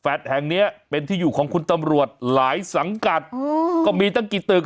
แห่งเนี้ยเป็นที่อยู่ของคุณตำรวจหลายสังกัดก็มีตั้งกี่ตึก